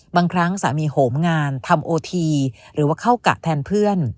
บางครั้งสามีโหมงานทำโอทีหรือว่าเข้ากะแทนเพื่อน